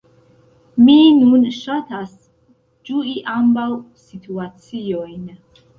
Mi nun ŝatas ĝui ambaŭ situaciojn.